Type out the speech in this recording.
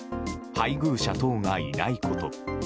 配偶者等がいないこと。